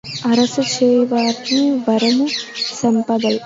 అరసి చేయువాని వరియించు సంపదల్